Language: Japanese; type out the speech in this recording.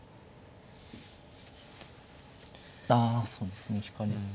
ああそうですね引かれて。